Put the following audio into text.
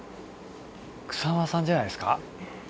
草間さんじゃないですか？